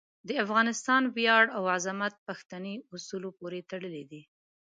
د افغانستان ویاړ او عظمت پښتني اصولو پورې تړلی دی.